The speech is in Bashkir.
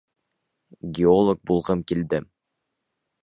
Геолог булғым килде